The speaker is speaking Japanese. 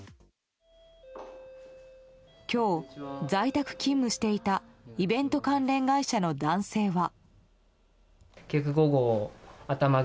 今日、在宅勤務していたイベント関連会社の男性は。